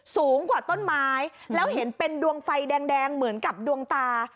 สูงกว่าต้นไม้แล้วเห็นเป็นดวงไฟแดงเหมือนกับดวงตา